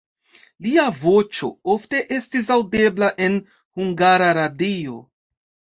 Lia voĉo ofte estis aŭdebla en Hungara Radio.